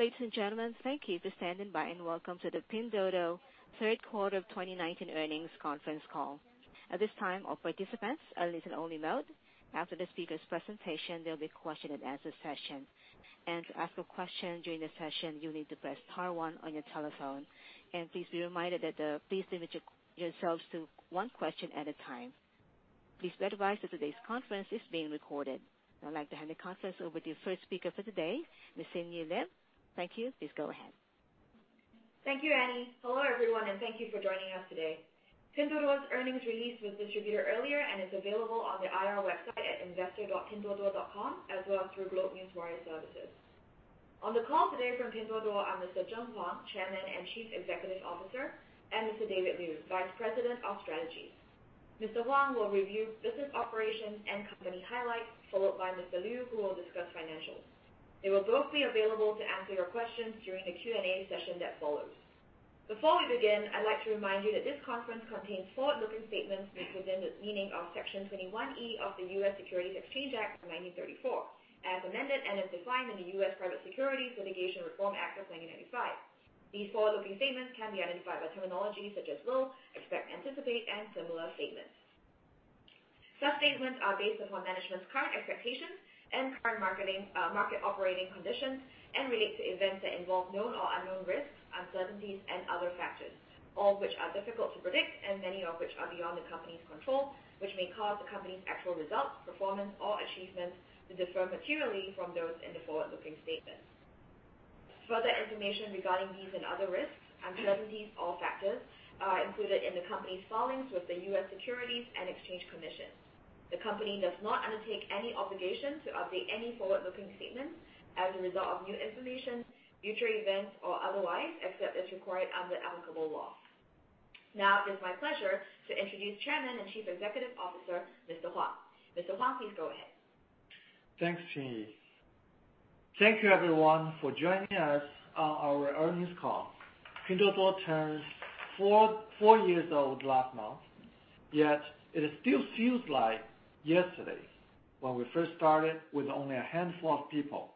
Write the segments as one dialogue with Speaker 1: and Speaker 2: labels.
Speaker 1: Ladies and gentlemen, thank you for standing by, welcome to the Pinduoduo third quarter of 2019 earnings conference call. At this time, all participants are listen-only mode. After the speakers' presentation, there'll be question-and-answer session. To ask a question during the session, you need to press star one on your telephone. Please be reminded that, please limit yourselves to one question at a time. Please be advised that today's conference is being recorded. I'd like to hand the conference over to the first speaker for today, Ms. Xin Yi Lim. Thank you. Please go ahead.
Speaker 2: Thank you, Annie. Hello, everyone, and thank you for joining us today. Pinduoduo's earnings release was distributed earlier and is available on the IR website at investor.pinduoduo.com, as well as through GlobeNewswire services. On the call today from Pinduoduo are Mr. Colin Huang, Chairman and Chief Executive Officer, and Mr. David Liu, Vice President of Strategy. Mr. Huang will review business operations and company highlights, followed by Mr. Liu, who will discuss financials. They will both be available to answer your questions during the Q&A session that follows. Before we begin, I'd like to remind you that this conference contains forward-looking statements within the meaning of Section 21E of the U.S. Securities Exchange Act of 1934 as amended and as defined in the U.S. Private Securities Litigation Reform Act of 1995. These forward-looking statements can be identified by terminology such as will, expect, anticipate and similar statements. Such statements are based upon management's current expectations and current marketing, market operating conditions and relate to events that involve known or unknown risks, uncertainties and other factors, all which are difficult to predict and many of which are beyond the company's control, which may cause the company's actual results, performance or achievements to differ materially from those in the forward-looking statements. Further information regarding these and other risks, uncertainties or factors are included in the company's filings with the U.S. Securities and Exchange Commission. The company does not undertake any obligation to update any forward-looking statements as a result of new information, future events or otherwise, except as required under applicable law. Now it is my pleasure to introduce Chairman and Chief Executive Officer, Mr. Huang. Mr. Huang, please go ahead.
Speaker 3: Thanks, Xin Yi. Thank you everyone for joining us on our earnings call. Pinduoduo turns four years old last month, yet it still feels like yesterday when we first started with only a handful of people.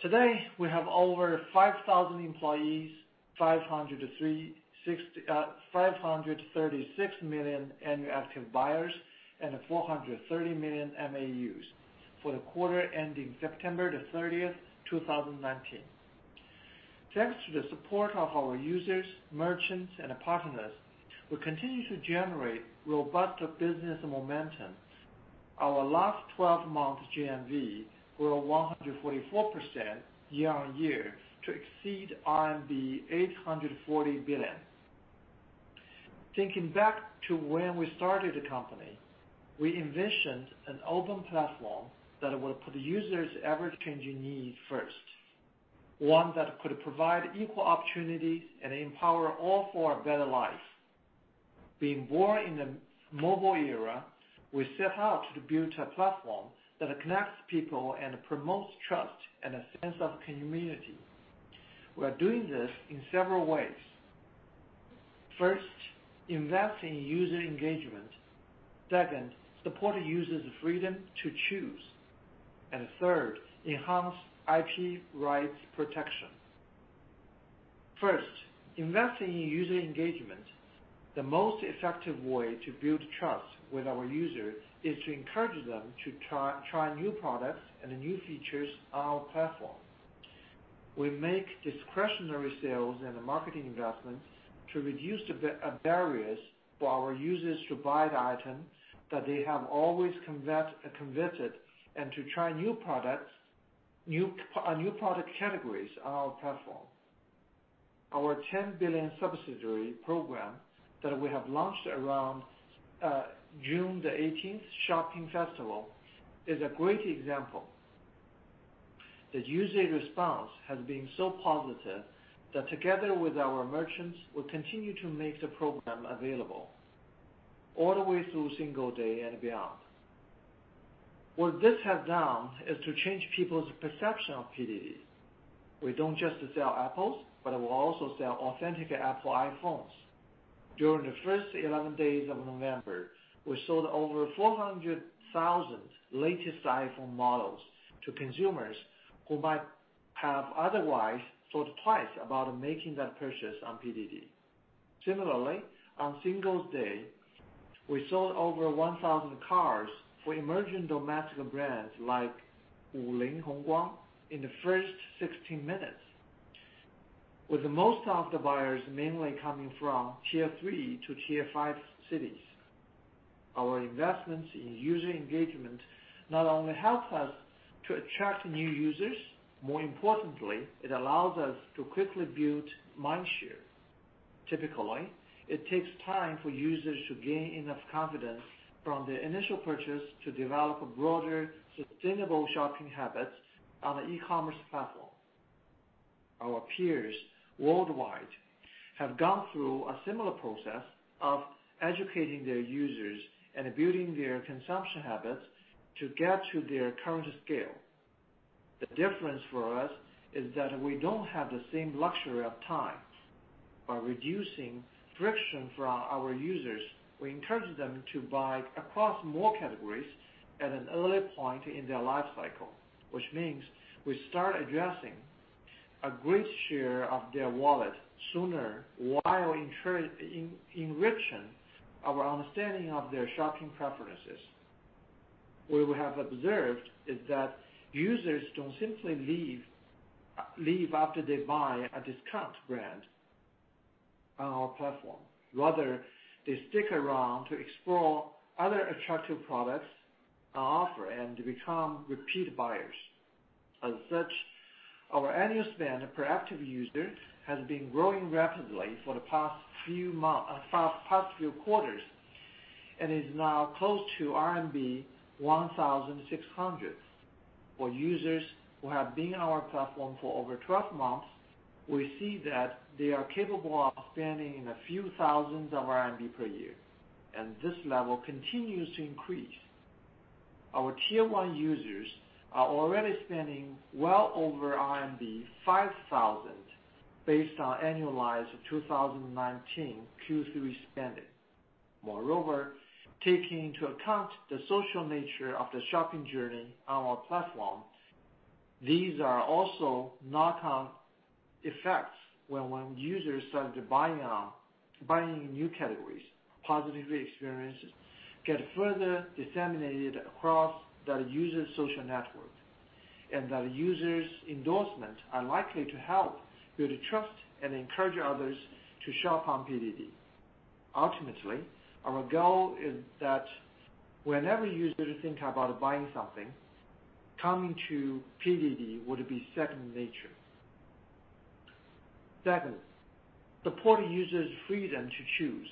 Speaker 3: Today, we have over 5,000 employees, 536 million annual active buyers, and 430 million MAUs for the quarter ending September 30th, 2019. Thanks to the support of our users, merchants and partners, we continue to generate robust business momentum. Our last 12 months GMV grew 144% year-on-year to exceed RMB 840 billion. Thinking back to when we started the company, we envisioned an open platform that would put users' ever-changing needs first. One that could provide equal opportunities and empower all for a better life. Being born in the mobile era, we set out to build a platform that connects people and promotes trust and a sense of community. We are doing this in several ways. First, invest in user engagement. Second, support users' freedom to choose. Third, enhance IP rights protection. First, investing in user engagement. The most effective way to build trust with our users is to encourage them to try new products and new features on our platform. We make discretionary sales and marketing investments to reduce the barriers for our users to buy the item that they have always coveted, and to try new products, new product categories on our platform. Our ten billion subsidy program that we have launched around June the 18th shopping festival is a great example. The user response has been so positive that together with our merchants, we continue to make the program available all the way through Singles' Day and beyond. What this has done is to change people's perception of PDD. We don't just sell apples, but we also sell authentic Apple iPhones. During the first 11 days of November, we sold over 400,000 latest iPhone models to consumers who might have otherwise thought twice about making that purchase on PDD. Similarly, on Singles' Day, we sold over 1,000 cars for emerging domestic brands like Wuling Hongguang in the first 16 minutes, with the most of the buyers mainly coming from Tier 3 to Tier 5 cities. Our investments in user engagement not only help us to attract new users, more importantly, it allows us to quickly build mindshare. Typically, it takes time for users to gain enough confidence from their initial purchase to develop broader, sustainable shopping habits on an e-commerce platform. Our peers worldwide have gone through a similar process of educating their users and building their consumption habits to get to their current scale. The difference for us is that we don't have the same luxury of time. By reducing friction from our users, we encourage them to buy across more categories at an early point in their life cycle, which means we start addressing a great share of their wallet sooner while enriching our understanding of their shopping preferences. What we have observed is that users don't simply leave after they buy a discount brand on our platform. Rather, they stick around to explore other attractive products on offer and become repeat buyers. Our annual spend per active user has been growing rapidly for the past few quarters, and is now close to RMB 1,600. For users who have been on our platform for over 12 months, we see that they are capable of spending a few thousands of Renminbi per year, and this level continues to increase. Our Tier 1 users are already spending well over RMB 5,000 based on annualized 2019 Q3 spending. Taking into account the social nature of the shopping journey on our platform, these are also knock-on effects when users started buying new categories. Positive experiences get further disseminated across that user's social network, that user's endorsements are likely to help build trust and encourage others to shop on PDD. Ultimately, our goal is that whenever users think about buying something, coming to PDD would be second nature. Second, support users' freedom to choose.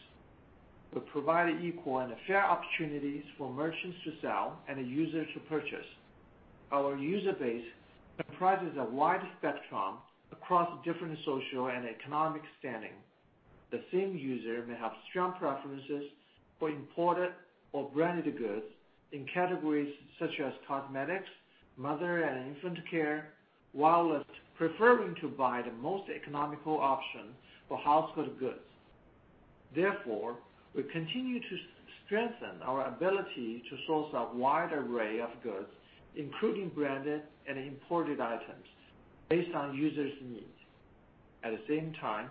Speaker 3: We provide equal and fair opportunities for merchants to sell and the user to purchase. Our user base comprises a wide spectrum across different social and economic standing. The same user may have strong preferences for imported or branded goods in categories such as cosmetics, mother and infant care, whilst preferring to buy the most economical option for household goods. We continue to strengthen our ability to source a wide array of goods, including branded and imported items based on users' needs. At the same time,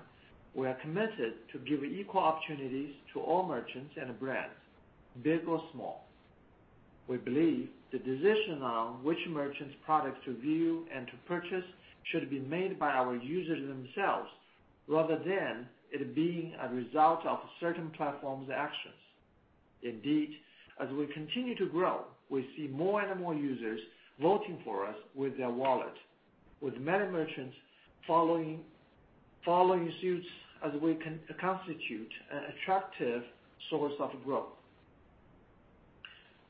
Speaker 3: we are committed to giving equal opportunities to all merchants and brands, big or small. We believe the decision on which merchant's product to view and to purchase should be made by our users themselves, rather than it being a result of certain platform's actions. Indeed, as we continue to grow, we see more and more users voting for us with their wallet, with many merchants following suit as we constitute an attractive source of growth.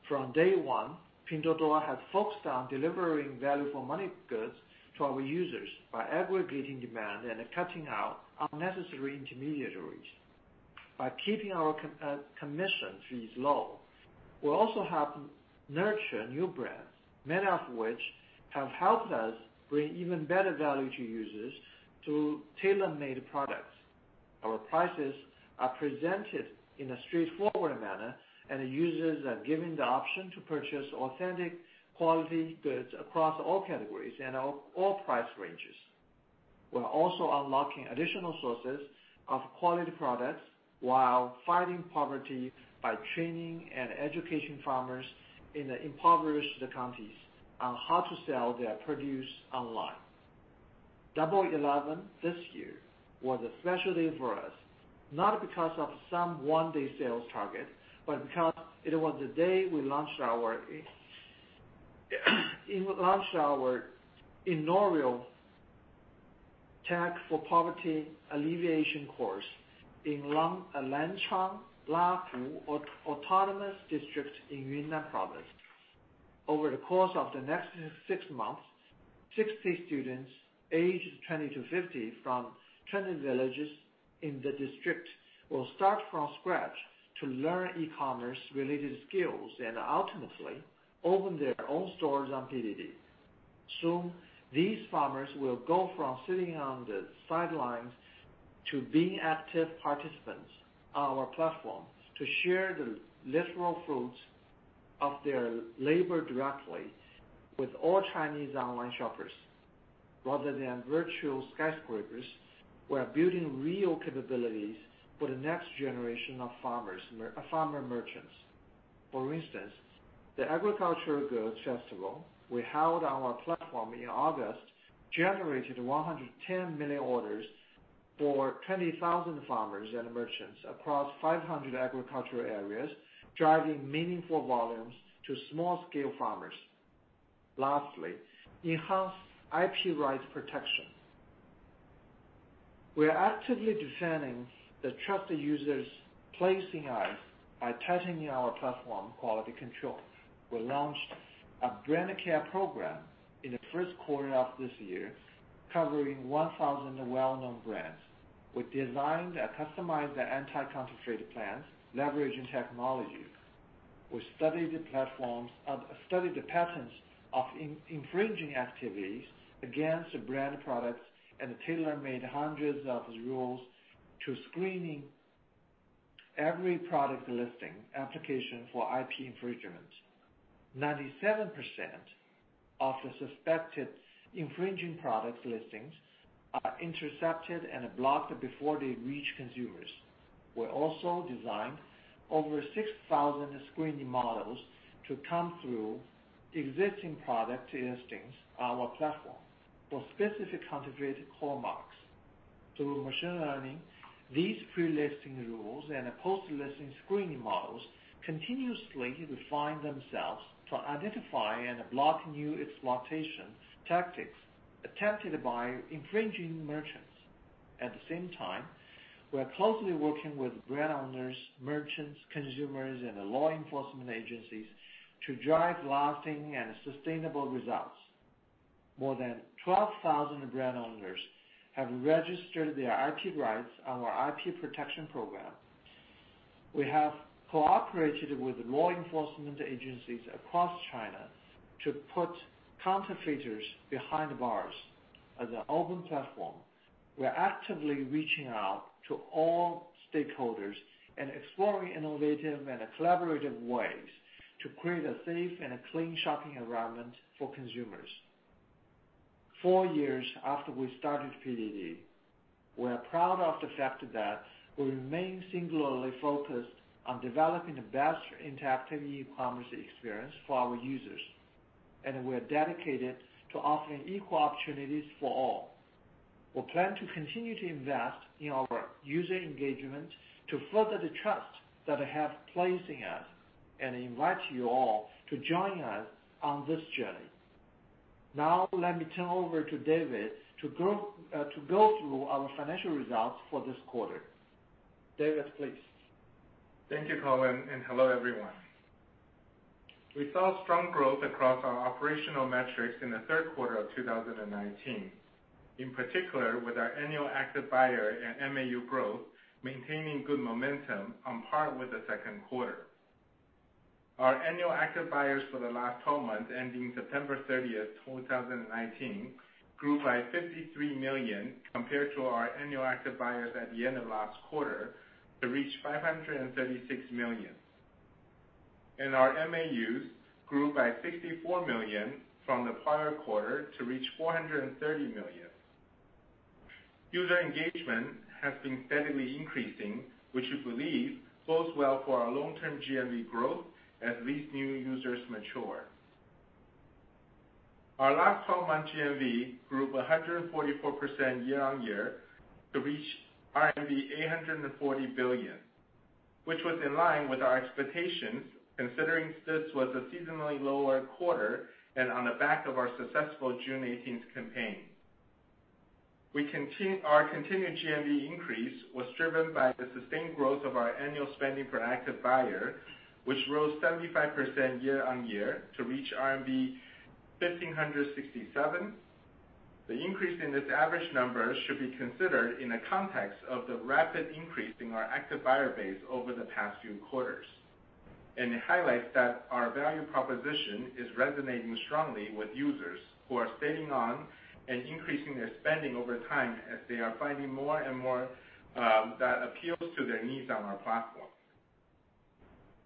Speaker 3: From day one, Pinduoduo has focused on delivering value for money goods to our users by aggregating demand and cutting out unnecessary intermediaries. By keeping our commission fees low, we also help nurture new brands, many of which have helped us bring even better value to users through tailor-made products. Our prices are presented in a straightforward manner. Users are given the option to purchase authentic, quality goods across all categories and all price ranges. We're also unlocking additional sources of quality products while fighting poverty by training and educating farmers in the impoverished counties on how to sell their produce online. Double Eleven this year was a special day for us, not because of some one-day sales target, but because it was the day we launched our inaugural Tech for Poverty Alleviation course in Lancang Lahu Autonomous County in Yunnan Province. Over the course of the next six months, 60 students aged 20 to 50 from 20 villages in the district will start from scratch to learn e-commerce related skills and ultimately open their own stores on PDD. Soon, these farmers will go from sitting on the sidelines to being active participants on our platform to share the literal fruits of their labor directly with all Chinese online shoppers. Rather than virtual skyscrapers, we are building real capabilities for the next generation of farmers, farmer merchants. For instance, the Agricultural Goods Festival we held on our platform in August generated 110 million orders for 20,000 farmers and merchants across 500 agricultural areas, driving meaningful volumes to small-scale farmers. Lastly, enhance IP rights protection. We are actively defending the trusted users placing us by tightening our platform quality control. We launched a Brand Care Program in the first quarter of this year, covering 1,000 well-known brands. We designed and customized anti-counterfeit plans leveraging technology. We study the platforms and study the patterns of infringing activities against the brand products, and tailor-made hundreds of rules to screening every product listing application for IP infringement. 97% of the suspected infringing products listings are intercepted and blocked before they reach consumers. We're also designed over 6,000 screening models to comb through existing product listings on our platform for specific counterfeited hallmarks. Through machine learning, these pre-listing rules and post-listing screening models continuously refine themselves to identify and block new exploitation tactics attempted by infringing merchants. At the same time, we're closely working with brand owners, merchants, consumers, and the law enforcement agencies to drive lasting and sustainable results. More than 12,000 brand owners have registered their IP rights on our IP Protection Program. We have cooperated with law enforcement agencies across China to put counterfeiters behind bars. As an open platform, we are actively reaching out to all stakeholders and exploring innovative and collaborative ways to create a safe and a clean shopping environment for consumers. Four years after we started PDD, we are proud of the fact that we remain singularly focused on developing the best interactive e-commerce experience for our users, and we are dedicated to offering equal opportunities for all. We plan to continue to invest in our user engagement to further the trust that they have placed in us, and invite you all to join us on this journey. Now let me turn over to David to go through our financial results for this quarter. David, please.
Speaker 4: Thank you, Colin, and hello, everyone. We saw strong growth across our operational metrics in the third quarter of 2019. In particular, with our annual active buyer and MAU growth maintaining good momentum on par with the second quarter. Our annual active buyers for the last 12 months, ending September 30th, 2019, grew by 53 million compared to our annual active buyers at the end of last quarter to reach 536 million. Our MAUs grew by 64 million from the prior quarter to reach 430 million. User engagement has been steadily increasing, which we believe bodes well for our long-term GMV growth as these new users mature. Our last 12-month GMV grew 144% year-on-year to reach RMB 840 billion, which was in line with our expectations, considering this was a seasonally lower quarter and on the back of our successful June 18th Campaign. Our continued GMV increase was driven by the sustained growth of our annual spending per active buyer, which rose 75% year-on-year to reach RMB 1,567. The increase in this average number should be considered in the context of the rapid increase in our active buyer base over the past few quarters, and it highlights that our value proposition is resonating strongly with users who are staying on and increasing their spending over time as they are finding more and more that appeals to their needs on our platform.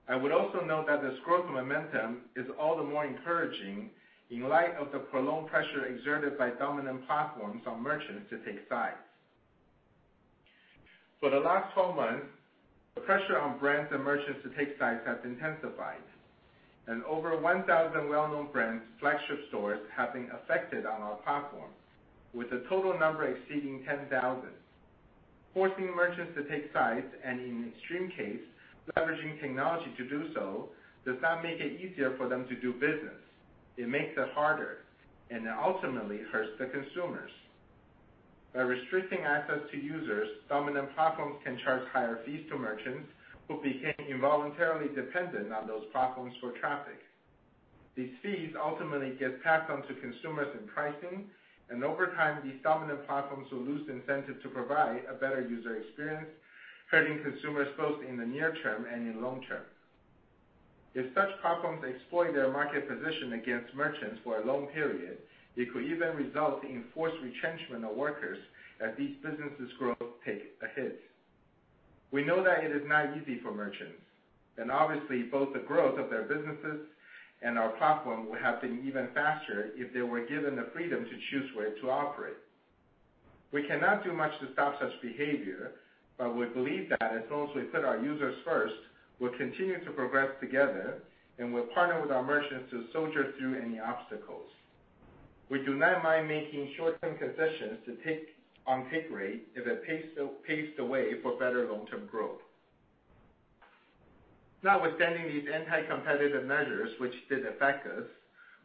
Speaker 4: I would also note that this growth momentum is all the more encouraging in light of the prolonged pressure exerted by dominant platforms on merchants to take sides. For the last 12 months, the pressure on brands and merchants to take sides has intensified, and over 1,000 well-known brands' flagship stores have been affected on our platform, with a total number exceeding 10,000. Forcing merchants to take sides, and in extreme case, leveraging technology to do so, does not make it easier for them to do business. It makes it harder and ultimately hurts the consumers. By restricting access to users, dominant platforms can charge higher fees to merchants who became involuntarily dependent on those platforms for traffic. These fees ultimately get passed on to consumers in pricing. Over time, these dominant platforms will lose incentive to provide a better user experience, hurting consumers both in the near term and in long term. If such platforms exploit their market position against merchants for a long period, it could even result in forced retrenchment of workers as these businesses' growth take a hit. We know that it is not easy for merchants. Obviously, both the growth of their businesses and our platform would have been even faster if they were given the freedom to choose where to operate. We cannot do much to stop such behavior. We believe that as long as we put our users first, we'll continue to progress together. We'll partner with our merchants to soldier through any obstacles. We do not mind making short-term concessions to take on take rate if it paves the way for better long-term growth. Notwithstanding these anti-competitive measures, which did affect us,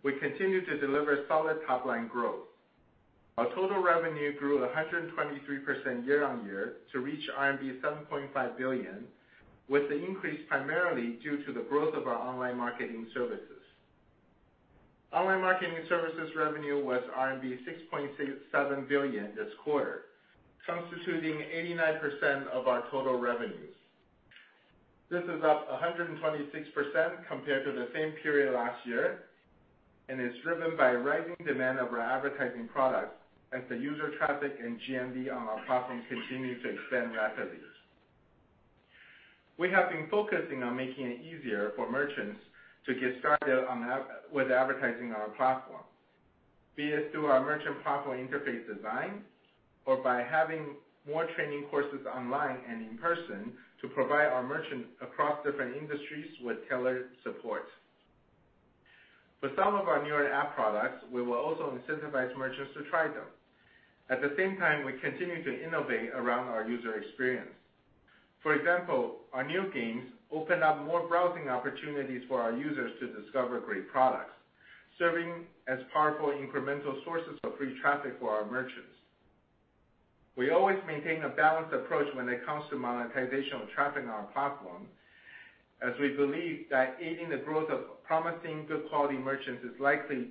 Speaker 4: we continue to deliver solid top-line growth. Our total revenue grew 123% year-on-year to reach RMB 7.5 billion, with the increase primarily due to the growth of our online marketing services. Online marketing services revenue was RMB 6.67 billion this quarter, constituting 89% of our total revenues. This is up 126% compared to the same period last year, and is driven by rising demand of our advertising products as the user traffic and GMV on our platform continue to expand rapidly. We have been focusing on making it easier for merchants to get started with advertising on our platform, be it through our merchant platform interface design or by having more training courses online and in person to provide our merchants across different industries with tailored support. For some of our newer app products, we will also incentivize merchants to try them. At the same time, we continue to innovate around our user experience. For example, our new games open up more browsing opportunities for our users to discover great products, serving as powerful incremental sources of free traffic for our merchants. We always maintain a balanced approach when it comes to monetization of traffic on our platform, as we believe that aiding the growth of promising good quality merchants is likely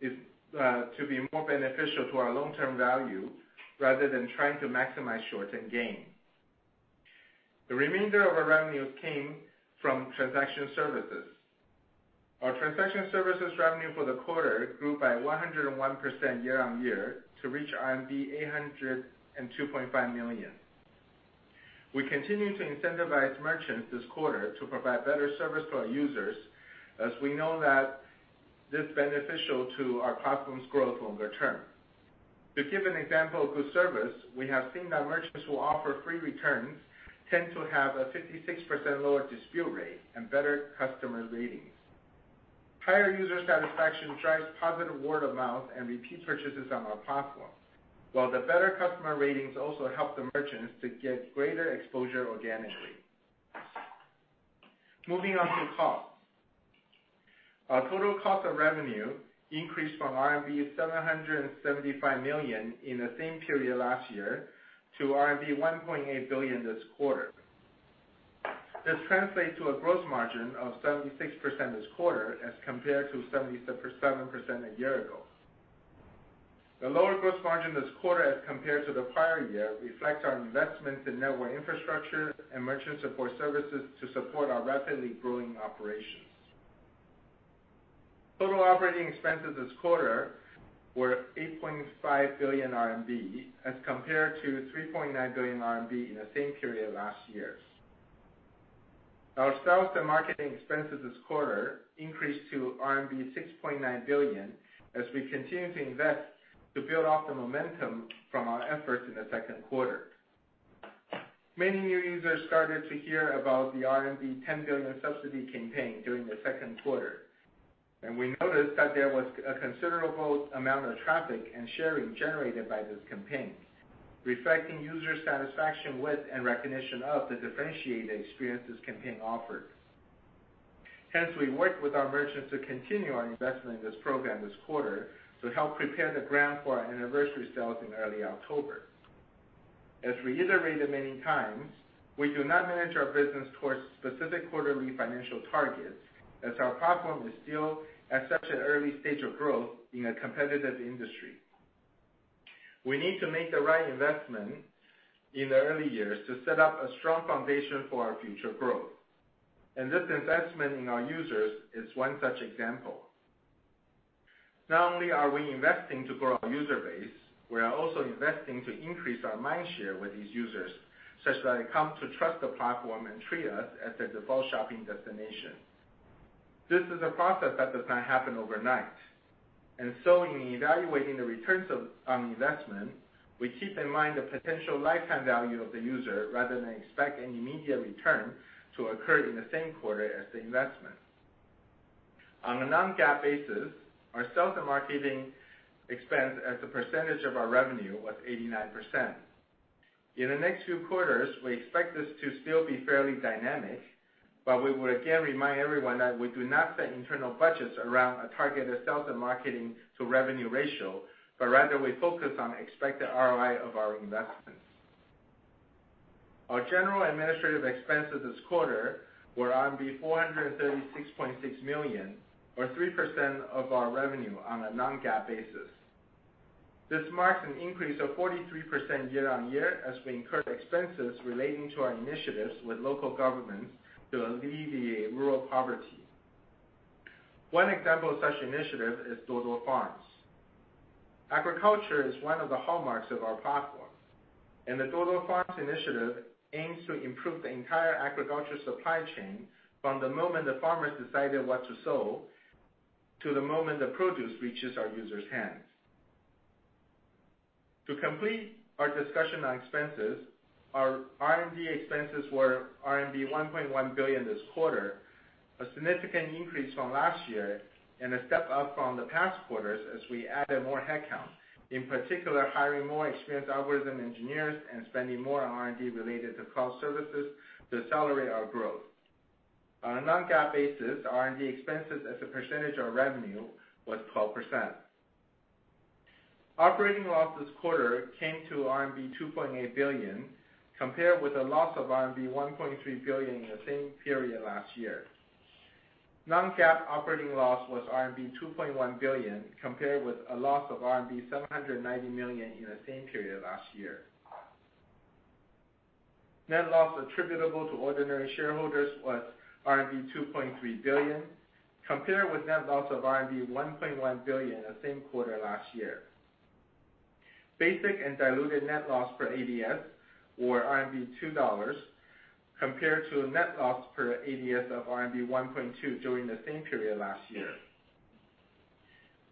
Speaker 4: to be more beneficial to our long-term value rather than trying to maximize short-term gain. The remainder of our revenues came from transaction services. Our transaction services revenue for the quarter grew by 101% year-on-year to reach RMB 802.5 million. We continue to incentivize merchants this quarter to provide better service for our users, as we know that is beneficial to our platform's growth longer term. To give an example of good service, we have seen that merchants who offer free returns tend to have a 56% lower dispute rate and better customer ratings. Higher user satisfaction drives positive word of mouth and repeat purchases on our platform, while the better customer ratings also help the merchants to get greater exposure organically. Moving on to costs. Our total cost of revenue increased from RMB 775 million in the same period last year to RMB 1.8 billion this quarter. This translates to a gross margin of 76% this quarter as compared to 77% a year ago. The lower gross margin this quarter as compared to the prior year reflects our investment in network infrastructure and merchant support services to support our rapidly growing operations. Total operating expenses this quarter were 8.5 billion RMB as compared to 3.9 billion RMB in the same period last year. Our sales and marketing expenses this quarter increased to RMB 6.9 billion as we continue to invest to build off the momentum from our efforts in the second quarter. Many new users started to hear about the RMB 10 billion subsidy program during the second quarter, and we noticed that there was a considerable amount of traffic and sharing generated by this program, reflecting user satisfaction with and recognition of the differentiated experience this program offered. We worked with our merchants to continue our investment in this program this quarter to help prepare the ground for our anniversary sales in early October. As we iterated many times, we do not manage our business towards specific quarterly financial targets, as our platform is still at such an early stage of growth in a competitive industry. We need to make the right investment in the early years to set up a strong foundation for our future growth. This investment in our users is one such example. Not only are we investing to grow our user base, we are also investing to increase our mind share with these users, such that they come to trust the platform and treat us as their default shopping destination. This is a process that does not happen overnight. In evaluating the returns of investment, we keep in mind the potential lifetime value of the user rather than expect an immediate return to occur in the same quarter as the investment. On a non-GAAP basis, our sales and marketing expense as a percentage of our revenue was 89%. In the next few quarters, we expect this to still be fairly dynamic, but we would again remind everyone that we do not set internal budgets around a targeted sales and marketing to revenue ratio, but rather we focus on expected ROI of our investments. Our general administrative expenses this quarter were 436.6 million, or 3% of our revenue on a non-GAAP basis. This marks an increase of 43% year-on-year as we incur expenses relating to our initiatives with local governments to alleviate rural poverty. One example of such initiative is Duoduo Farm. Agriculture is one of the hallmarks of our platform, and the Duoduo Farm initiative aims to improve the entire agriculture supply chain from the moment the farmers decided what to sow to the moment the produce reaches our users' hands. To complete our discussion on expenses, our R&D expenses were RMB 1.1 billion this quarter, a significant increase from last year and a step up from the past quarters as we added more headcount, in particular, hiring more experienced algorithm engineers and spending more on R&D related to cloud services to accelerate our growth. On a non-GAAP basis, R&D expenses as a percentage of revenue was 12%. Operating loss this quarter came to RMB 2.8 billion, compared with a loss of RMB 1.3 billion in the same period last year. Non-GAAP operating loss was RMB 2.1 billion, compared with a loss of RMB 790 million in the same period last year. Net loss attributable to ordinary shareholders was RMB 2.3 billion, compared with net loss of RMB 1.1 billion the same quarter last year. Basic and diluted net loss per ADS were RMB 2.0 compared to net loss per ADS of RMB 1.2 during the same period last year.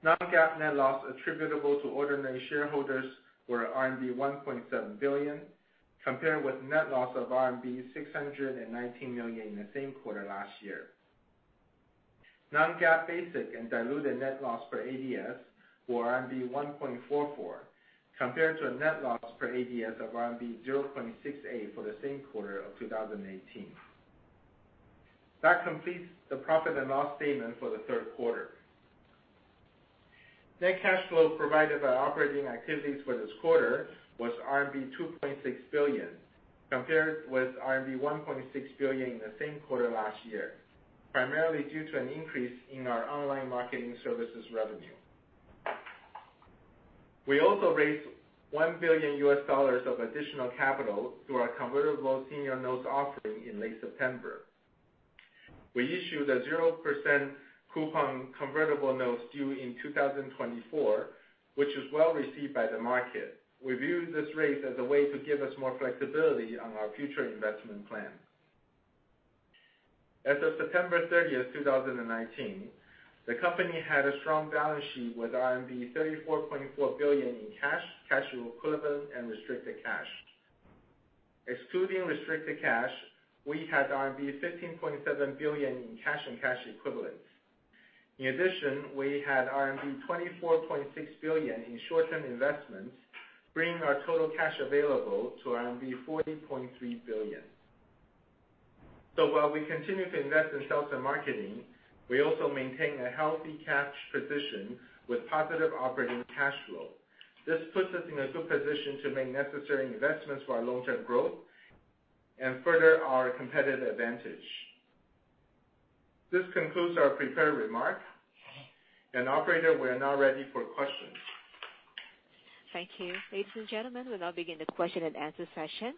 Speaker 4: Non-GAAP net loss attributable to ordinary shareholders were RMB 1.7 billion, compared with net loss of RMB 619 million in the same quarter last year. Non-GAAP basic and diluted net loss per ADS were RMB 1.44, compared to a net loss per ADS of RMB 0.68 for the same quarter of 2018. That completes the profit and loss statement for the third quarter. Net cash flow provided by operating activities for this quarter was RMB 2.6 billion, compared with RMB 1.6 billion in the same quarter last year, primarily due to an increase in our online marketing services revenue. We also raised $1 billion of additional capital through our convertible senior notes offering in late September. We issued a 0% coupon convertible notes due in 2024, which was well received by the market. We view this rate as a way to give us more flexibility on our future investment plans. As of September 30th, 2019, the company had a strong balance sheet with RMB 34.4 billion in cash equivalent, and restricted cash. Excluding restricted cash, we had RMB 15.7 billion in cash and cash equivalents. In addition, we had RMB 24.6 billion in short-term investments, bringing our total cash available to RMB 40.3 billion. While we continue to invest in sales and marketing, we also maintain a healthy cash position with positive operating cash flow. This puts us in a good position to make necessary investments for our long-term growth and further our competitive advantage. This concludes our prepared remarks. Operator, we are now ready for questions.
Speaker 1: Thank you. Ladies and gentlemen, we'll now begin the question-and-answer session.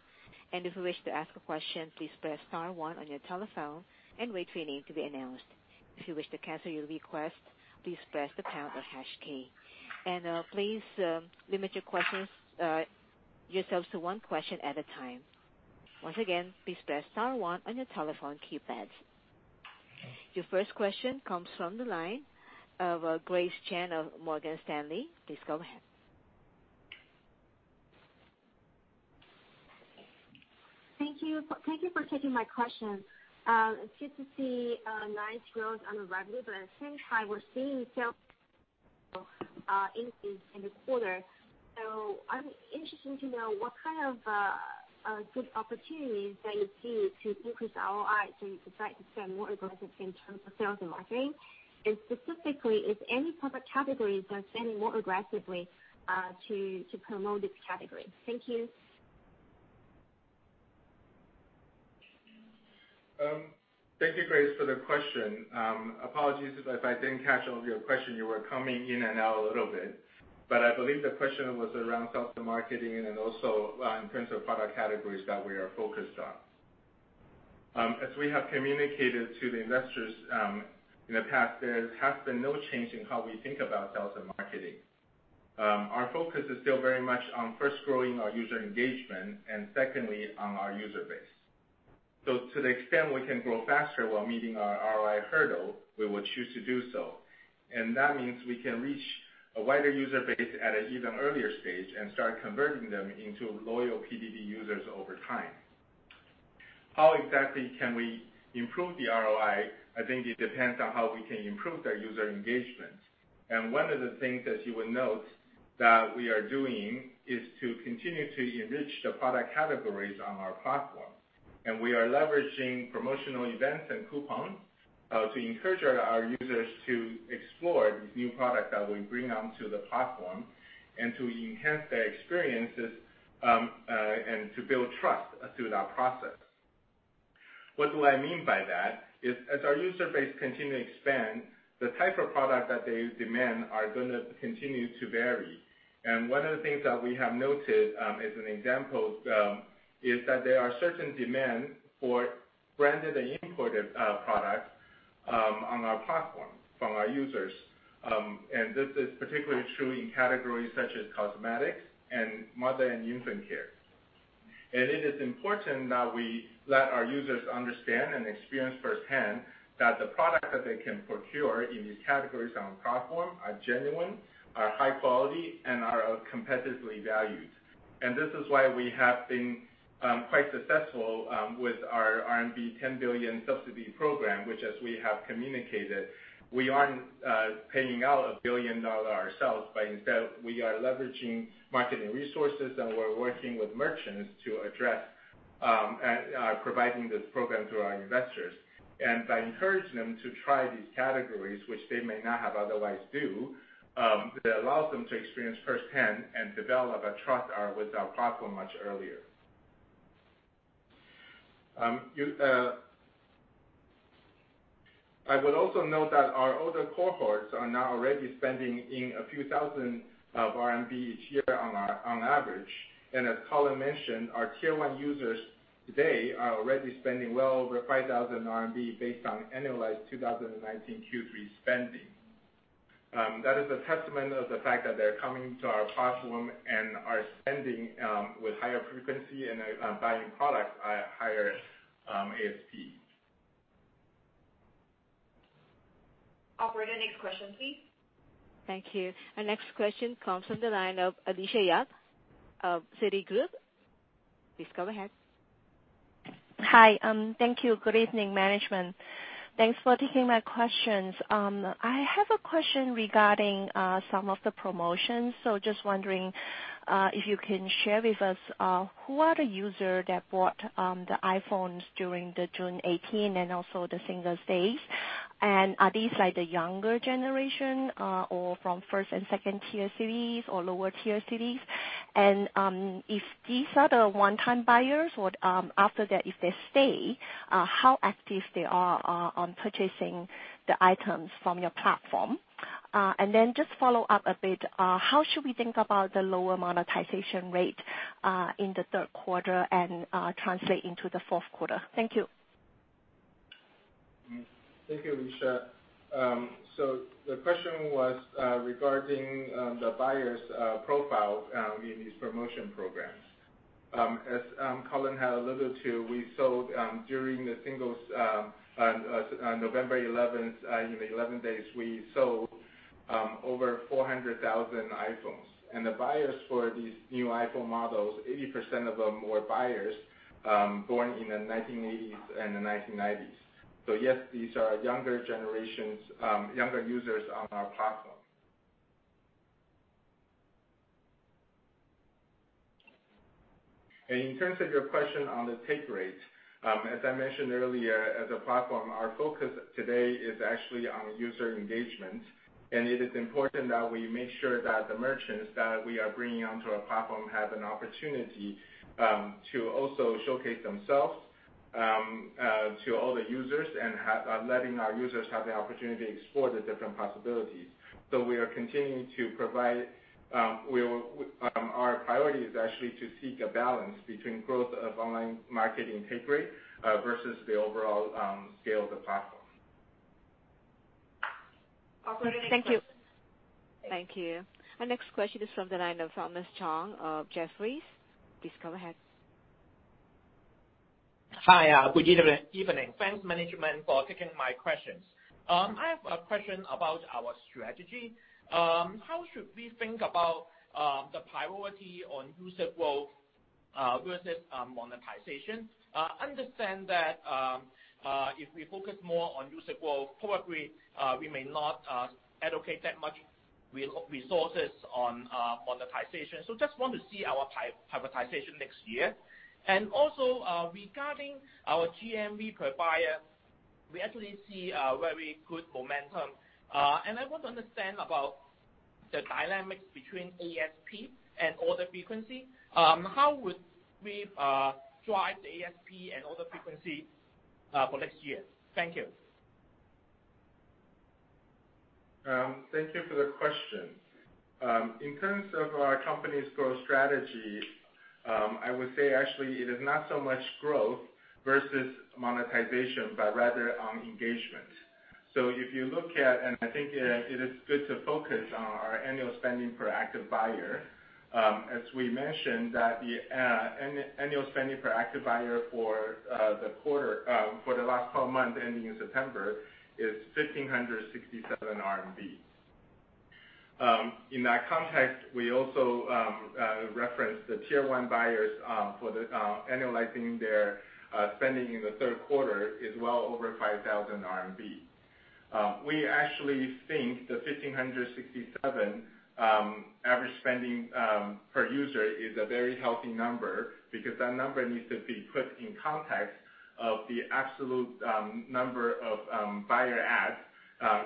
Speaker 1: If you wish to ask a question, please press star one on your telephone and wait for your name to be announced. If you wish to cancel your request, please press the pound or hash key. Please limit your questions yourselves to one question at a time. Once again, please press star one on your telephone keypads. Your first question comes from the line of Grace Chen of Morgan Stanley. Please go ahead.
Speaker 5: Thank you. Thank you for taking my question. It's good to see nice growth on the revenue. Since I was seeing sales increase in the quarter, I'm interested to know what kind of good opportunities that you see to increase ROI, so you decide to spend more aggressively in terms of sales and marketing. Specifically, if any product categories are spending more aggressively to promote this category. Thank you.
Speaker 4: Thank you, Grace, for the question. Apologies if I didn't catch all of your question. You were coming in and out a little bit. I believe the question was around sales and marketing and also in terms of product categories that we are focused on. As we have communicated to the investors in the past, there has been no change in how we think about sales and marketing. Our focus is still very much on first growing our user engagement and secondly on our user base. To the extent we can grow faster while meeting our ROI hurdle, we will choose to do so. That means we can reach a wider user base at an even earlier stage and start converting them into loyal PDD users over time. How exactly can we improve the ROI? I think it depends on how we can improve their user engagement. One of the things, as you will note, that we are doing is to continue to enrich the product categories on our platform. We are leveraging promotional events and coupons to encourage our users to explore these new products that we bring onto the platform and to enhance their experiences and to build trust through that process. What do I mean by that? Is as our user base continue to expand, the type of products that they demand are gonna continue to vary. One of the things that we have noted, as an example, is that there are certain demand for branded and imported products on our platform from our users. This is particularly true in categories such as cosmetics and mother and infant care. It is important that we let our users understand and experience firsthand that the products that they can procure in these categories on the platform are genuine, are high quality, and are of competitively valued. This is why we have been quite successful with our RMB 10 billion subsidy program, which, as we have communicated, we aren't paying out a billion dollar ourselves, but instead we are leveraging marketing resources, and we're working with merchants to address providing this program to our investors. By encouraging them to try these categories, which they may not have otherwise do, that allows them to experience firsthand and develop a trust with our platform much earlier. I would also note that our older cohorts are now already spending a few thousand of Renminbi each year on average. As Colin mentioned, our Tier 1 users today are already spending well over 5,000 RMB based on annualized 2019 Q3 spending. That is a testament of the fact that they're coming to our platform and are spending with higher frequency and are buying product at higher ASP.
Speaker 2: Operator, next question please.
Speaker 1: Thank you. Our next question comes from the line of Alicia Yap of Citigroup. Please go ahead.
Speaker 6: Hi. Thank you. Good evening, management. Thanks for taking my questions. I have a question regarding some of the promotions. Just wondering, if you can share with us, who are the user that bought the iPhones during the June 18 and also the Singles' Day? Are these like the younger generation, or from first and second-tier cities or lower tier cities? If these are the one-time buyers, would after that, if they stay, how active they are on purchasing the items from your platform? Just follow up a bit, how should we think about the lower monetization rate in the third quarter and translate into the fourth quarter? Thank you.
Speaker 4: Thank you, Alicia. The question was regarding the buyer's profile in these promotion programs. As Colin had alluded to, we sold during the Singles' on November 11th in the 11 days, we sold over 400,000 iPhones. The buyers for these new iPhone models, 80% of them were buyers born in the 1980s and the 1990s. Yes, these are younger generations, younger users on our platform. In terms of your question on the take rate, as I mentioned earlier, as a platform, our focus today is actually on user engagement, and it is important that we make sure that the merchants that we are bringing onto our platform have an opportunity to also showcase themselves to all the users and letting our users have the opportunity to explore the different possibilities. We are continuing to provide, our priority is actually to seek a balance between growth of online marketing take rate versus the overall scale of the platform.
Speaker 2: Operator, next question.
Speaker 6: Thank you.
Speaker 1: Thank you. Our next question is from the line of Thomas Chong of Jefferies. Please go ahead.
Speaker 7: Hi, good evening. Thanks, management, for taking my questions. I have a question about our strategy. How should we think about the priority on user growth versus monetization? Understand that if we focus more on user growth, probably, we may not allocate that much resources on monetization. Just want to see our prioritization next year. Regarding our GMV per buyer, we actually see a very good momentum. I want to understand about the dynamics between ASP and order frequency. How would we drive the ASP and order frequency for next year? Thank you.
Speaker 4: Thank you for the question. In terms of our company's growth strategy, I would say actually it is not so much growth versus monetization, but rather on engagement. If you look at, and I think it is good to focus on our annual spending per active buyer, as we mentioned that the annual spending per active buyer for the quarter, for the last 12 months ending in September is 1,567 RMB. In that context, we also reference the Tier 1 buyers for the annualizing their spending in the third quarter is well over 5,000 RMB. We actually think the 1,567 average spending per user is a very healthy number because that number needs to be put in context of the absolute number of buyer adds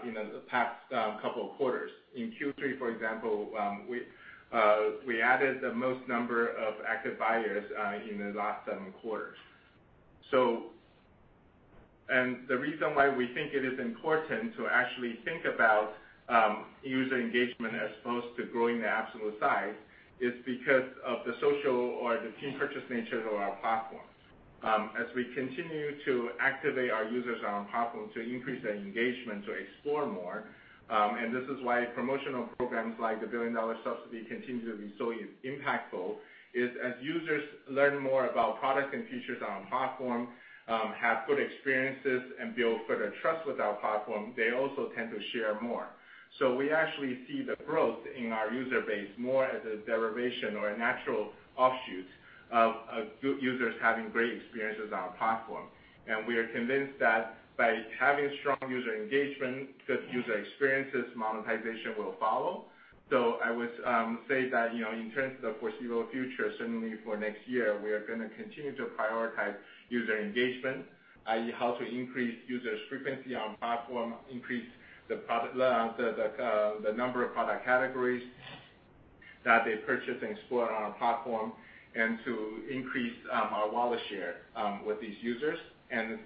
Speaker 4: in the past couple of quarters. In Q3, for example, we added the most number of active buyers in the last seven quarters. The reason why we think it is important to actually think about user engagement as opposed to growing the absolute size is because of the social or the team purchase nature of our platform. As we continue to activate our users on our platform to increase their engagement to explore more, and this is why promotional programs like the Billion-Dollar Subsidy continue to be so impactful, is as users learn more about products and features on our platform, have good experiences and build further trust with our platform, they also tend to share more. We actually see the growth in our user base more as a derivation or a natural offshoot of good users having great experiences on our platform. We are convinced that by having strong user engagement, good user experiences, monetization will follow. I would say that, you know, in terms of the foreseeable future, certainly for next year, we are gonna continue to prioritize user engagement, i.e., how to increase users' frequency on platform, increase the number of product categories that they purchase and explore on our platform and to increase our wallet share with these users.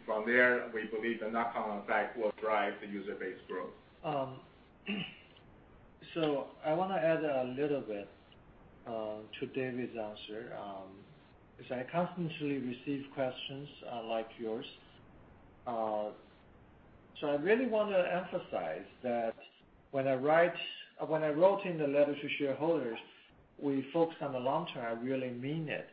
Speaker 4: From there, we believe the network effect will drive the user base growth.
Speaker 3: I wanna add a little bit to David's answer. As I constantly receive questions like yours. I really wanna emphasize that when I wrote in the letter to shareholders, we focus on the long term, I really mean it.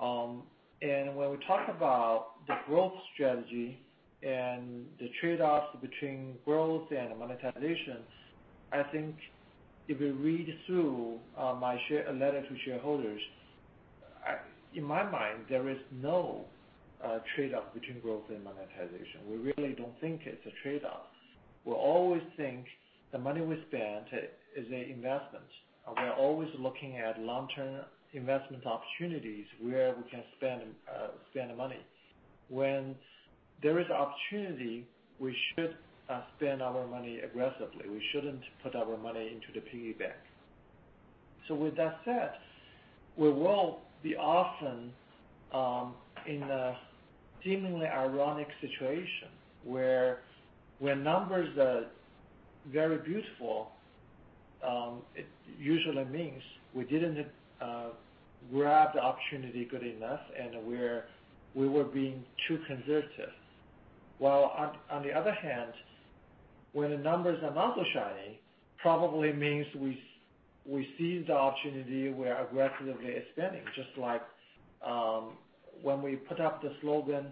Speaker 3: When we talk about the growth strategy and the trade-offs between growth and monetization, I think if you read through my letter to shareholders, In my mind, there is no trade-off between growth and monetization. We really don't think it's a trade-off. We always think the money we spend is a investment. We are always looking at long-term investment opportunities where we can spend the money. When there is opportunity, we should spend our money aggressively. We shouldn't put our money into the piggy bank. With that said, we will be often in a seemingly ironic situation where numbers are very beautiful, it usually means we didn't grab the opportunity good enough, and we were being too conservative. While on the other hand, when the numbers are not so shiny, probably means we seized the opportunity, we're aggressively expanding. Just like, when we put up the slogan,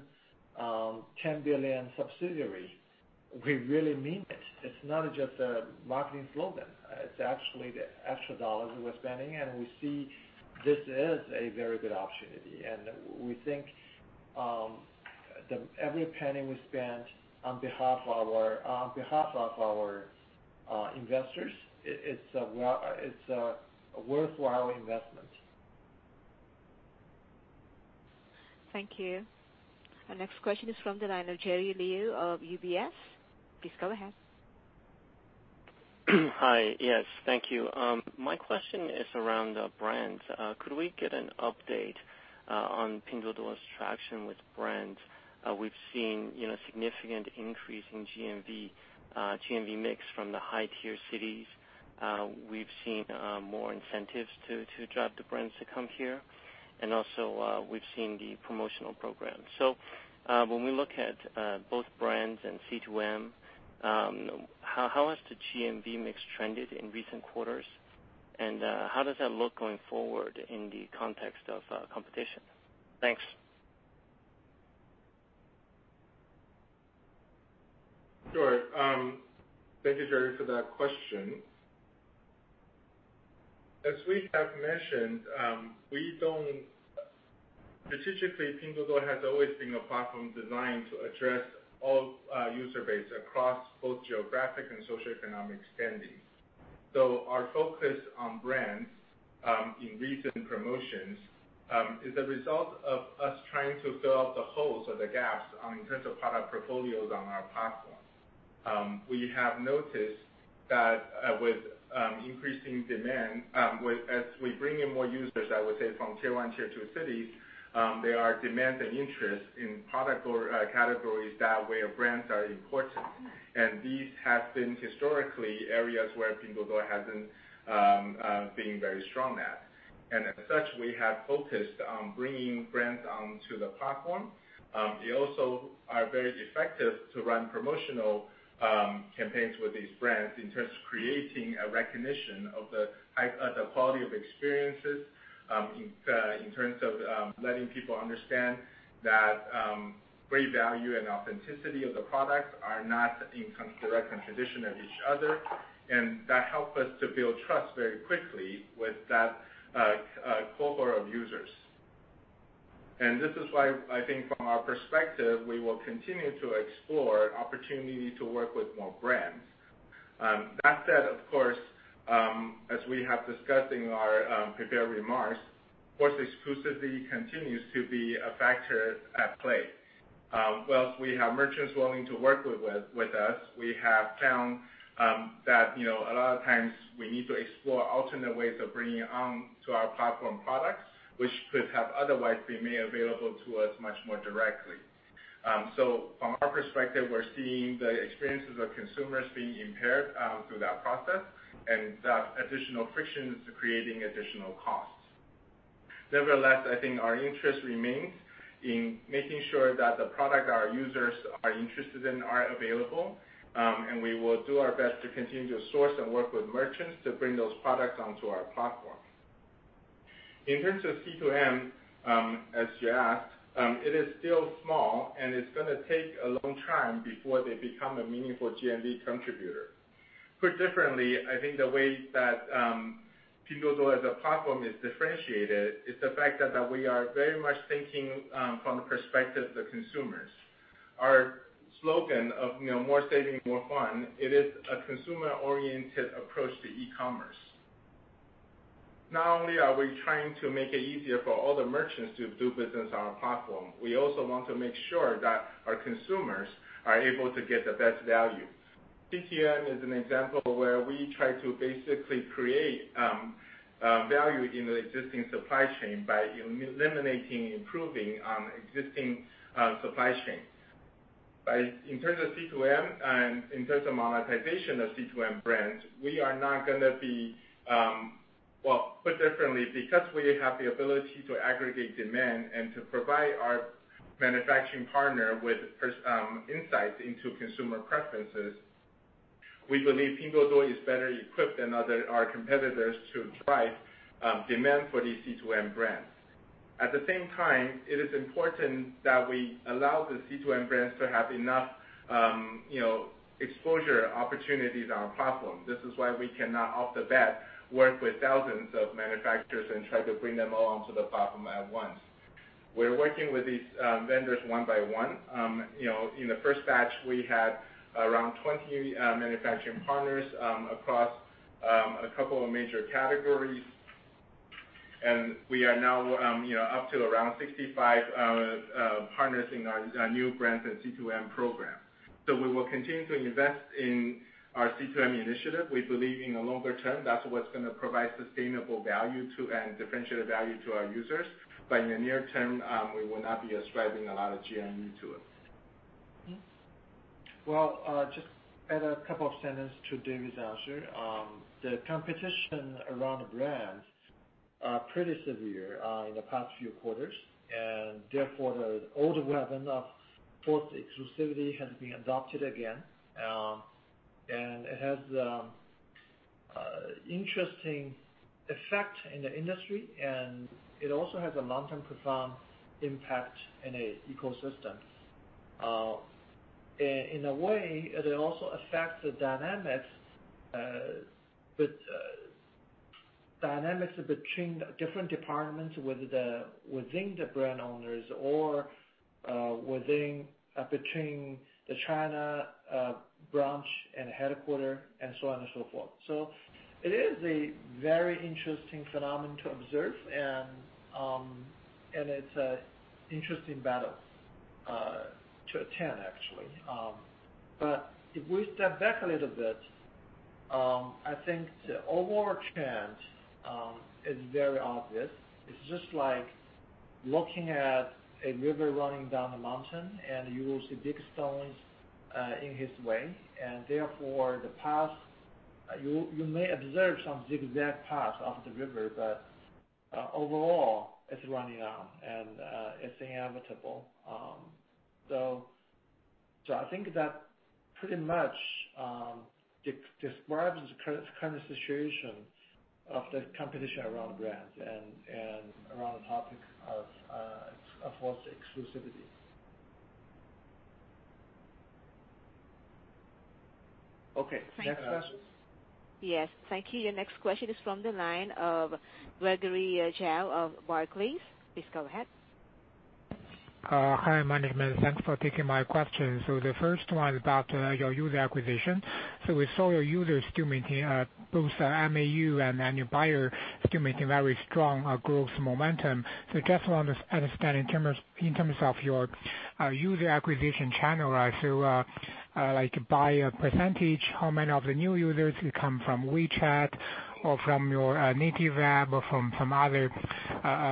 Speaker 3: 10 Billion Subsidy, we really mean it. It's not just a marketing slogan. It's actually the actual dollars we're spending, and we see this is a very good opportunity. We think every penny we spend on behalf of our investors, it's a worthwhile investment.
Speaker 1: Thank you. Our next question is from the line of Jerry Liu of UBS. Please go ahead.
Speaker 8: Hi. Yes. Thank you. My question is around the brands. Could we get an update on Pinduoduo's traction with brands? We've seen, you know, significant increase in GMV mix from the high-tier cities. We've seen more incentives to drive the brands to come here, and also, we've seen the promotional program. When we look at both brands and C2M, how has the GMV mix trended in recent quarters? How does that look going forward in the context of competition? Thanks.
Speaker 4: Sure. Thank you, Jerry, for that question. As we have mentioned, we don't. Statistically, Pinduoduo has always been a platform designed to address all user base across both geographic and socioeconomic standings. Our focus on brands, in recent promotions, is a result of us trying to fill up the holes or the gaps in terms of product portfolios on our platform. We have noticed that with increasing demand, as we bring in more users, I would say, from Tier 1, Tier 2 cities, there are demand and interest in product or categories where brands are important. These have been historically areas where Pinduoduo hasn't been very strong at. As such, we have focused on bringing brands onto the platform. We also are very effective to run promotional campaigns with these brands in terms of creating a recognition of the quality of experiences, in terms of letting people understand that great value and authenticity of the products are not in direct contradiction of each other. That help us to build trust very quickly with that cohort of users. This is why I think from our perspective, we will continue to explore opportunity to work with more brands. That said, of course, as we have discussed in our prepared remarks, of course, exclusivity continues to be a factor at play. Whilst we have merchants willing to work with us, we have found that, you know, a lot of times we need to explore alternate ways of bringing on to our platform products, which could have otherwise been made available to us much more directly. From our perspective, we're seeing the experiences of consumers being impaired through that process, and that additional friction is creating additional costs. Nevertheless, I think our interest remains in making sure that the product our users are interested in are available, and we will do our best to continue to source and work with merchants to bring those products onto our platform. In terms of C2M, as you asked, it is still small, and it's gonna take a long time before they become a meaningful GMV contributor. Put differently, I think the way that Pinduoduo as a platform is differentiated is the fact that we are very much thinking from the perspective of the consumers. Our slogan of, you know, more saving, more fun, it is a consumer-oriented approach to e-commerce. Not only are we trying to make it easier for all the merchants to do business on our platform, we also want to make sure that our consumers are able to get the best value. C2M is an example where we try to basically create value in the existing supply chain by eliminating, improving existing supply chains. In terms of C2M and in terms of monetization of C2M brands, we are not gonna be. Well, put differently, because we have the ability to aggregate demand and to provide our manufacturing partner with insights into consumer preferences, we believe Pinduoduo is better equipped than other our competitors to drive demand for these C2M brands. At the same time, it is important that we allow the C2M brands to have enough, you know, exposure opportunities on our platform. This is why we cannot off the bat work with thousands of manufacturers and try to bring them all onto the platform at once. We're working with these vendors one by one. You know, in the first batch, we had around 20 manufacturing partners across a couple of major categories. We are now, you know, up to around 65 partners in our new brand and C2M program. We will continue to invest in our C2M initiative. We believe in the longer term, that's what's gonna provide sustainable value to, and differentiate value to our users. In the near term, we will not be ascribing a lot of GMV to it.
Speaker 3: Well, just add a couple of sentences to David's answer. The competition around brands is pretty severe in the past few quarters, and therefore the old weapon of forced exclusivity has been adopted again. It has an interesting effect in the industry, and it also has a long-term profound impact in an ecosystem. In a way, it also affects the dynamics with dynamics between different departments within the brand owners or between the China branch and headquarter and so on and so forth. It is a very interesting phenomenon to observe and it's an interesting battle to attend actually. If we step back a little bit, I think the overall trend is very obvious. It's just like looking at a river running down a mountain. You will see big stones in its way. Therefore the path, you may observe some zigzag path of the river. Overall, it's running down. It's inevitable. I think that pretty much describes the current situation of the competition around brands and around the topic of forced exclusivity. Okay, next question.
Speaker 1: Thank you. Yes. Thank you. Your next question is from the line of Gregory Zhao of Barclays. Please go ahead.
Speaker 9: Hi, management. Thanks for taking my question. The first one is about your user acquisition. We saw your users still maintain both MAU and annual buyer still maintain very strong growth momentum. Just want to understand in terms of your user acquisition channel, like by a percentage, how many of the new users who come from WeChat or from your native app or from other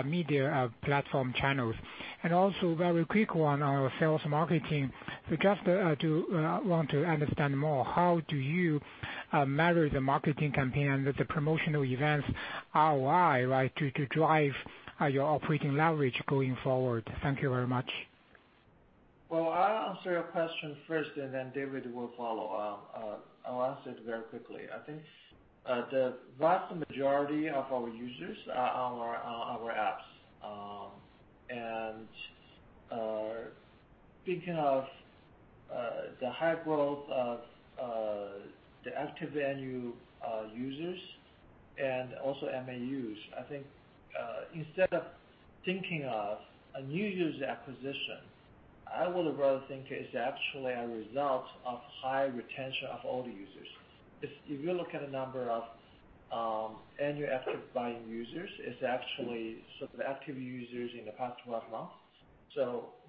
Speaker 9: media platform channels. Also very quick one on sales marketing. Just want to understand more, how do you measure the marketing campaign and the promotional events ROI, right, to drive your operating leverage going forward?
Speaker 3: I'll answer your question first. David will follow. I'll answer it very quickly. I think the vast majority of our users are on our apps. Speaking of the high growth of the active annual users and also MAUs, I think instead of thinking of a new user acquisition, I would rather think it's actually a result of high retention of old users. If you look at the number of annual active buying users, it's actually sort of active users in the past 12 months.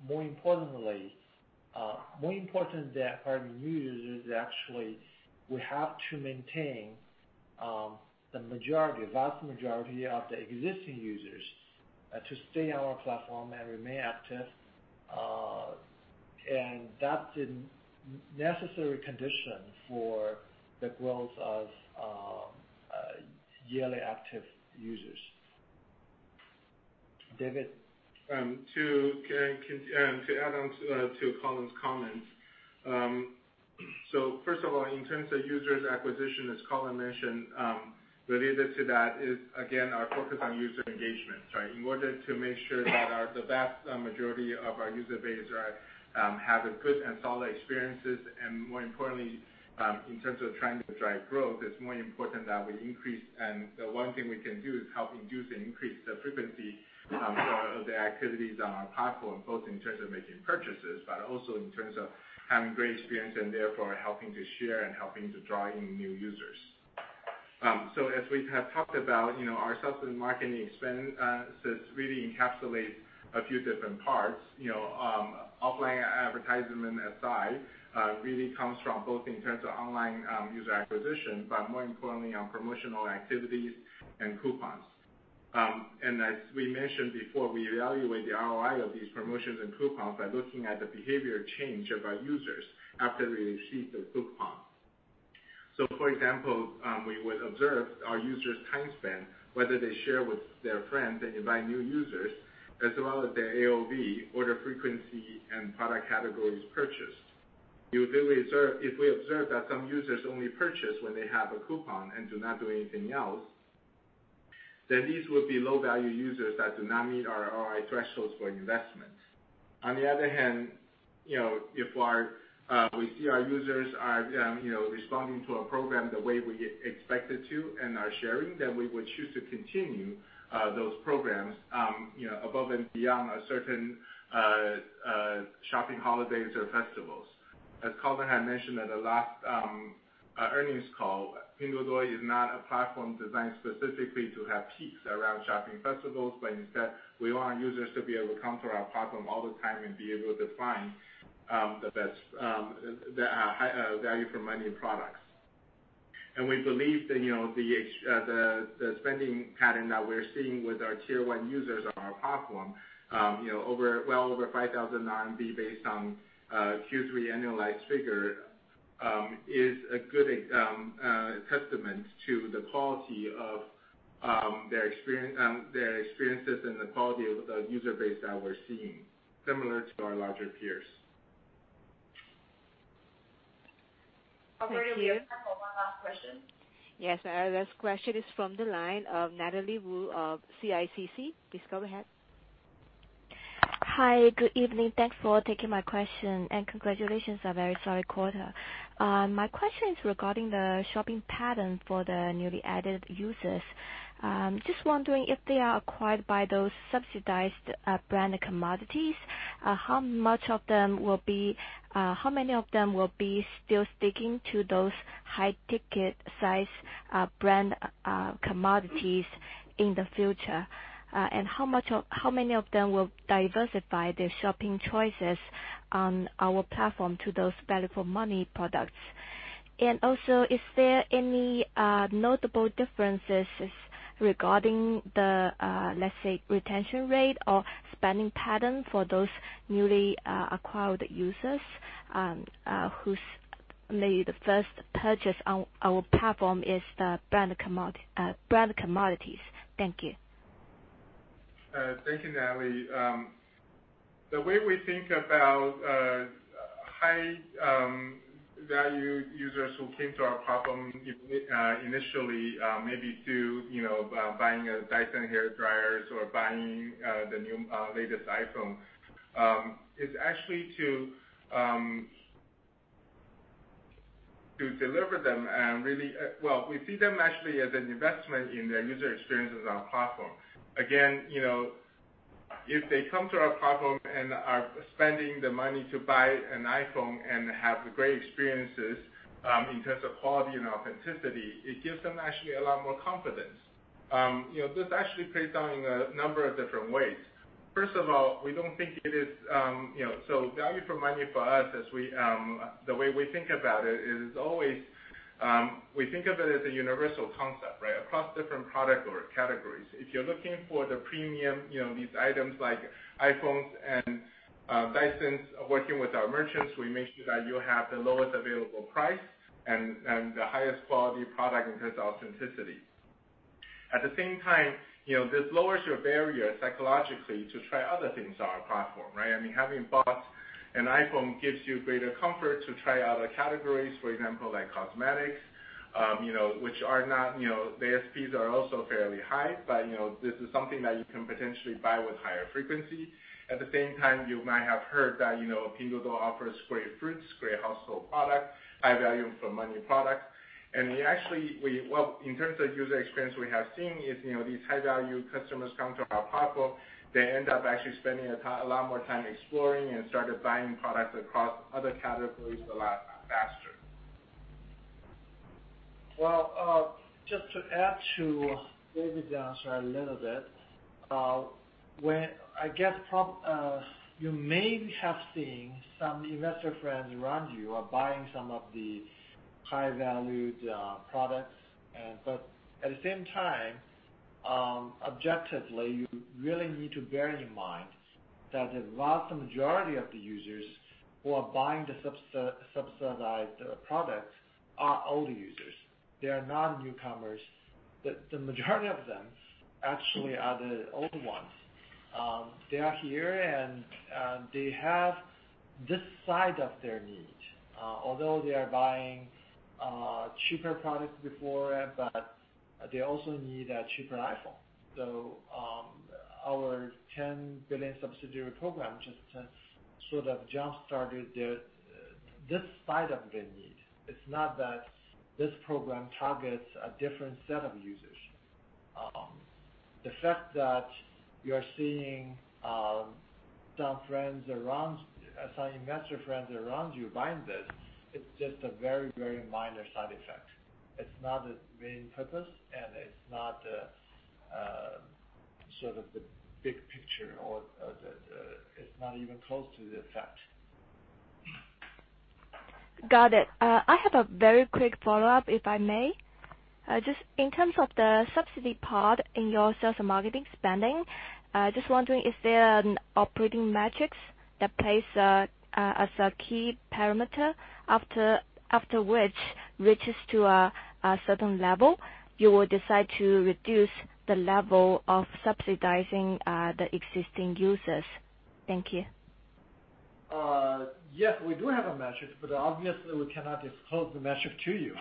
Speaker 3: More importantly, more important than acquiring new users is actually we have to maintain the majority, vast majority of the existing users to stay on our platform and remain active. That's a necessary condition for the growth of yearly active users. David?
Speaker 4: To add on to Colin's comments. First of all, in terms of users acquisition, as Colin mentioned, related to that is again our focus on user engagement, right? In order to make sure that our, the vast majority of our user base are, have a good and solid experiences, and more importantly, in terms of trying to drive growth, it's more important that we increase. The one thing we can do is help induce and increase the frequency of the activities on our platform, both in terms of making purchases, but also in terms of having great experience, and therefore helping to share and helping to draw in new users. As we have talked about, you know, our sales and marketing spend really encapsulates a few different parts. You know, offline advertisement aside, really comes from both in terms of online user acquisition, but more importantly, on promotional activities and coupons. As we mentioned before, we evaluate the ROI of these promotions and coupons by looking at the behavior change of our users after they receive the coupon. For example, we would observe our users' time spent, whether they share with their friends and invite new users, as well as their AOV, order frequency, and product categories purchased. If we observe that some users only purchase when they have a coupon and do not do anything else, then these would be low-value users that do not meet our ROI thresholds for investment. On the other hand, you know, if our, we see our users are, you know, responding to a program the way we expect it to and are sharing, then we would choose to continue those programs, you know, above and beyond a certain shopping holidays or festivals. As Colin had mentioned at the last earnings call, Pinduoduo is not a platform designed specifically to have peaks around shopping festivals, but instead, we want our users to be able to come to our platform all the time and be able to find the best the high-value for money products. We believe that, you know, the spending pattern that we're seeing with our Tier 1 users on our platform, you know, over, well over 5,000 RMB based on Q3 annualized figure, is a good testament to the quality of their experiences and the quality of the user base that we're seeing, similar to our larger peers.
Speaker 1: Thank you.
Speaker 2: Operator, we have time for one last question.
Speaker 1: Yes. Our last question is from the line of Natalie Wu of CICC. Please go ahead.
Speaker 10: Hi. Good evening. Thanks for taking my question, and congratulations on a very solid quarter. My question is regarding the shopping pattern for the newly added users. Just wondering if they are acquired by those subsidized brand commodities, how many of them will be still sticking to those high ticket size brand commodities in the future? How many of them will diversify their shopping choices on our platform to those value for money products? Is there any notable differences regarding the let's say, retention rate or spending pattern for those newly acquired users, whose maybe the first purchase on our platform is the brand commodities? Thank you.
Speaker 4: Thank you, Natalie. The way we think about high value users who came to our platform initially maybe to, you know, buying a Dyson hair dryers or buying the new latest iPhone is actually to deliver them and really Well, we see them actually as an investment in their user experiences on our platform. Again, you know, if they come to our platform and are spending the money to buy an iPhone and have great experiences, in terms of quality and authenticity, it gives them actually a lot more confidence. You know, this actually plays out in a number of different ways. First of all, we don't think it is, you know So value for money for us. The way we think about it is always, we think of it as a universal concept, right? Across different product or categories. If you're looking for the premium, you know, these items like iPhones and Dysons, working with our merchants, we make sure that you have the lowest available price and the highest quality product in terms of authenticity. At the same time, you know, this lowers your barrier psychologically to try other things on our platform, right? I mean having bought an iPhone gives you greater comfort to try other categories, for example, like cosmetics, you know, which are not, you know, the ASPs are also fairly high, but, you know, this is something that you can potentially buy with higher frequency. At the same time, you might have heard that, you know, Pinduoduo offers great fruits, great household products, high value for money products. We actually, we Well, in terms of user experience, we have seen is, you know, these high-value customers come to our platform, they end up actually spending a lot more time exploring and started buying products across other categories a lot faster.
Speaker 3: Well, just to add to David's answer a little bit, when I guess you may have seen some investor friends around you are buying some of these high-valued products, but at the same time, objectively, you really need to bear in mind that the vast majority of the users who are buying the subsidized products are old users. They are not newcomers. The majority of them actually are the old ones. They are here, and they have this side of their need. Although they are buying cheaper products before, but they also need a cheaper iPhone. Our 10 billion subsidy program just to sort of jump-started their, this side of their need. It's not that this program targets a different set of users. The fact that you're seeing some investor friends around you buying this, it's just a very, very minor side effect. It's not the main purpose, and it's not sort of the big picture or, it's not even close to the effect.
Speaker 10: Got it. I have a very quick follow-up, if I may. Just in terms of the subsidy part in your sales and marketing spending, I am just wondering if there are operating metrics that plays as a key parameter after which reaches to a certain level, you will decide to reduce the level of subsidizing the existing users. Thank you.
Speaker 3: Yes, we do have a metric, but obviously we cannot disclose the metric to you.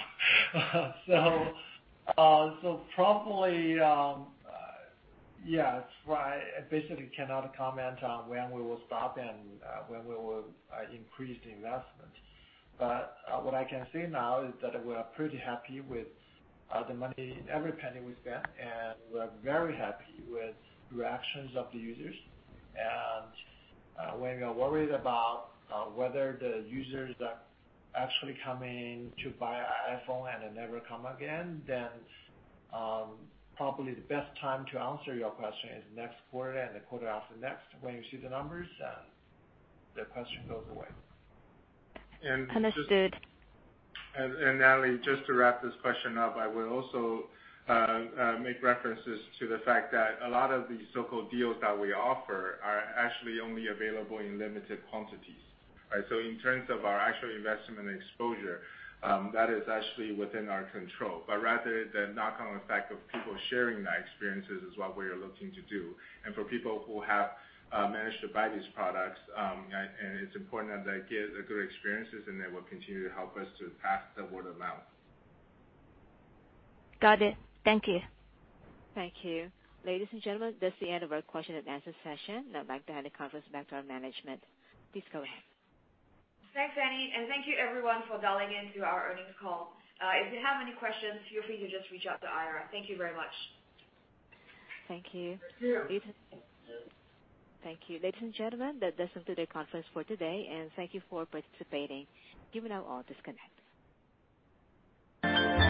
Speaker 3: Probably, yes. I basically cannot comment on when we will stop and when we will increase the investment. What I can say now is that we are pretty happy with the money, every penny we spent, and we're very happy with reactions of the users. When you're worried about whether the users are actually coming to buy a iPhone and then never come again, then probably the best time to answer your question is next quarter and the quarter after next when you see the numbers, the question goes away.
Speaker 10: Understood.
Speaker 4: Natalie, just to wrap this question up, I will also make references to the fact that a lot of these so-called deals that we offer are actually only available in limited quantities. Right? In terms of our actual investment exposure, that is actually within our control. Rather the knock-on effect of people sharing their experiences is what we are looking to do. For people who have managed to buy these products, it's important that they get a good experiences, and they will continue to help us to pass the word of mouth.
Speaker 10: Got it. Thank you.
Speaker 1: Thank you. Ladies and gentlemen, this is the end of our question-and-answer session. I'd like to hand the conference back to our management. Please go ahead.
Speaker 2: Thanks, Annie. Thank you everyone for dialing in to our earnings call. If you have any questions, feel free to just reach out to IR. Thank you very much.
Speaker 1: Thank you.
Speaker 4: Thank you.
Speaker 1: Thank you. Ladies and gentlemen, that does it to the conference for today, and thank you for participating. You may now all disconnect.